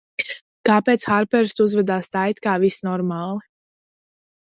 Kāpēc Harpersd uzvedās tā, it kā viss normāli?